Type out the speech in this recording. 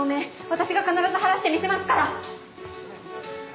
私が必ず晴らしてみせますから！